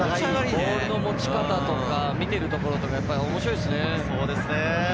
ボールの持ち方とか、見ているところとか面白いですね。